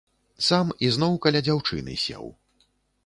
Сам ізноў каля дзяўчыны сеў.